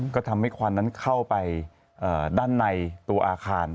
ก็ทำให้ควันนั้นเข้าไปด้านในตัวอาคาร